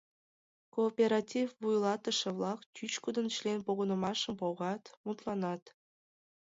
Кооператив вуйлатыше-влак чӱчкыдын член погынымашым погат, мутланат.